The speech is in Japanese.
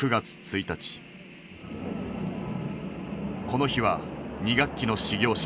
この日は２学期の始業式。